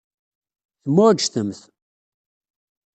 Temɛujjtemt.